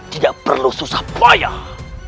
tidak perlu susah payah